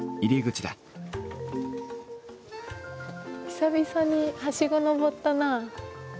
久々にはしご登ったなあ。